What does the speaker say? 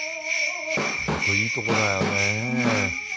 本当いいとこだよね。